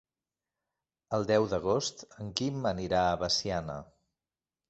El deu d'agost en Quim anirà a Veciana.